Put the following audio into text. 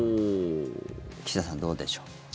岸田さん、どうでしょう。